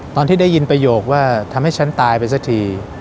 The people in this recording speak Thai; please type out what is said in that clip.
ตอนที่ได้ยินประโยคว่าทำให้ฉันตายไปสักที